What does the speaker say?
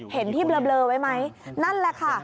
เห็นที่เบลอไว้ไหมนั่นแหละค่ะ